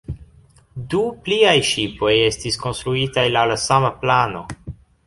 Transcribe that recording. Du pliaj ŝipoj estis konstruitaj laŭ la sama plano.